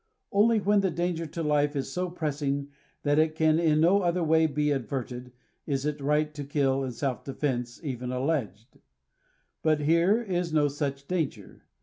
Only when the danger to life is so pressing that it can in no other way ba averted, is the right to kill in self defense even alleged. But here is no such danger.